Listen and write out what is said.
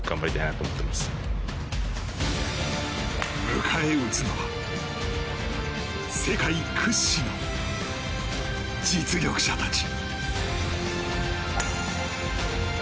迎え撃つのは世界屈指の実力者たち。